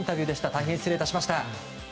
大変失礼致しました。